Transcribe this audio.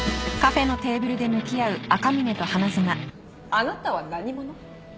あなたは何者？